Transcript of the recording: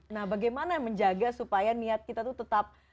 nah bagaimana menjaga supaya niat kita tuh tetap